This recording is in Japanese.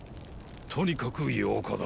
とにかく八日だ。